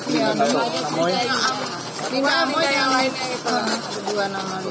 pasti mencolot ya kak kalau rekapnya masih menunggu dari